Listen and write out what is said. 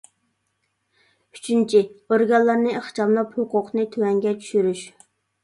ئۈچىنچى، ئورگانلارنى ئىخچاملاپ، ھوقۇقنى تۆۋەنگە چۈشۈرۈش.